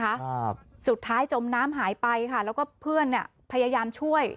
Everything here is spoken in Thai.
ครับสุดท้ายจมน้ำหายไปค่ะแล้วก็เพื่อนเนี้ยพยายามช่วย